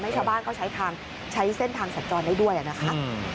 ให้ชาวบ้านก็ใช้เส้นทางสะจรได้ด้วยนะคะ